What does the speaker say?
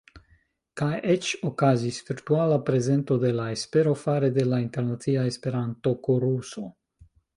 Kaj eĉ okazis virtuala prezento de La Espero fare de la Internacia Esperanto-Koruso.